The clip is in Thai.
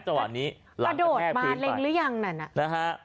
กระโดดมาเร็งหรือยังนั่นอะ